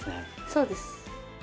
そうです。